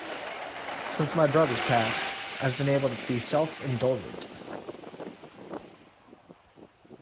Since my brothers passed, I've been able to be self-indulgent.